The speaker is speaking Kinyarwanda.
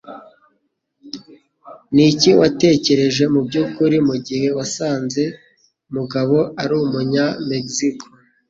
Niki watekereje mubyukuri mugihe wasanze Mugabo ari umunya Mexico?